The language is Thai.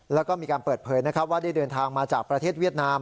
แล้วก็มีการเปิดเผยนะครับว่าได้เดินทางมาจากประเทศเวียดนาม